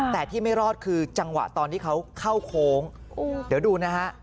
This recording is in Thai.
แต่ที่ไม่รอดคือจังหวะตอนที่เขาเข้าโค้งเดี๋ยวดูนะฮะ